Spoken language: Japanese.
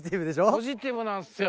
ポジティブなんすよ。